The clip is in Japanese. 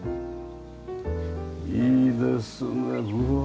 いいですねうわ。